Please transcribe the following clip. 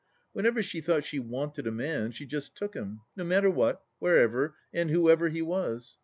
Whenever she thought she wanted a man, she just took him, no matter what, wherever, and whoever he was.